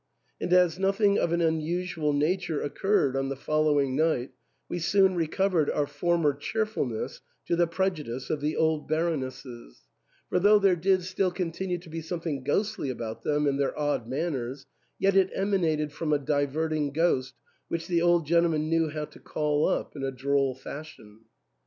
And as nothing of an unusual nature occurred on the following night, we soon recov ered our former cheerfulness, to the prejudice of the old Baronesses ; for though there did still continue to be something ghostly about them and their odd man ners, yet it emanated from a diverting ghost which the old gentleman knew how to call up in a droll fashion.